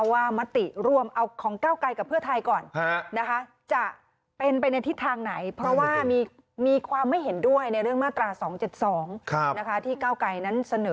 ว่ามติรวมเอาของเกราไกรกะเพื่อไทยก่อน